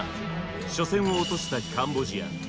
初戦を落としたカンボジア。